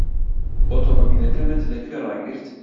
ئۆتۆمۆبیلەکەمت لەکوێ ڕاگرت؟